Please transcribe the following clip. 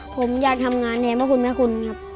ผมอยากทำงานแทนพระคุณแม่คุณครับ